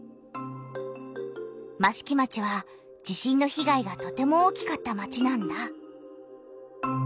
益城町は地震の被害がとても大きかった町なんだ。